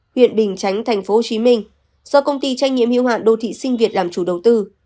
huyện bình chánh tp hcm do công ty trách nhiệm hưu hạn đô thị sinh việt làm chủ đầu tư